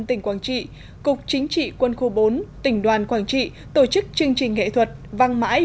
tỉnh quảng trị cục chính trị quân khu bốn tỉnh đoàn quảng trị tổ chức chương trình nghệ thuật vang mãi